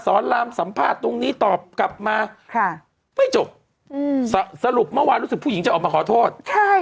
ลามสัมภาษณ์ตรงนี้ตอบกลับมาไม่จบสรุปเมื่อวานรู้สึกผู้หญิงจะออกมาขอโทษ